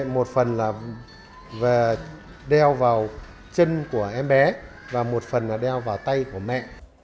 một phần là đeo vào chân của em bé và một phần là đeo vào tay của mẹ